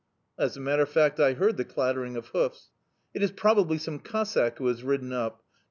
"As a matter of fact I heard the clattering of hoofs. "'It is probably some Cossack who has ridden up.